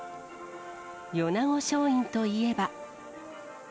米子松陰といえば。